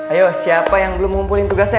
ayo siapa yang belum ngumpulin tugasnya